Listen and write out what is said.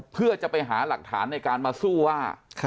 เพื่อจะไปหาหลักฐานในการมาสู้ว่า